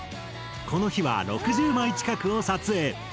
この日は６０枚近くを撮影。